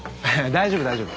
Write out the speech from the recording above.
大丈夫大丈夫。